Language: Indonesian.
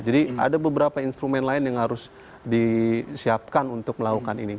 jadi ada beberapa instrumen lain yang harus disiapkan untuk melakukan ini